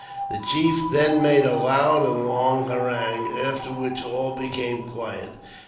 The chief then made a loud and long harangue, after which all became quiet.